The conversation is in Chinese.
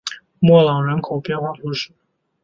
莫朗人口变化图示